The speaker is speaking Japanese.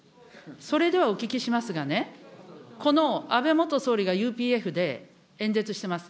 それではお聞きしますがね、この安倍元総理がＵＰＦで演説してます。